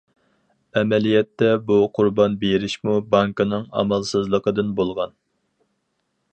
ئەمەلىيەتتە بۇ قۇربان بېرىشمۇ بانكىنىڭ ئامالسىزلىقىدىن بولغان.